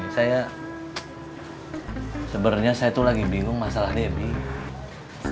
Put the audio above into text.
sebenarnya saya lagi bingung masalah debbie